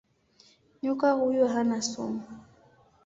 Nyoka huyu hana sumu.